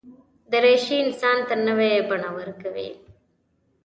دریشي انسان ته نوې بڼه ورکوي.